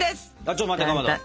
ちょっと待ってかまど。